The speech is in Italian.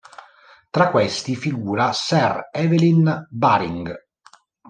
Tra questi figura Sir Evelyn Baring.